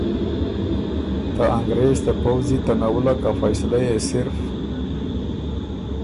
ته انګرېز ته پؤځی ته نوُلّک ا فیصلۀ يې صرف